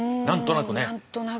何となく。